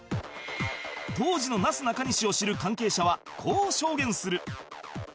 当時のなすなかにしを知る関係者はこう証言する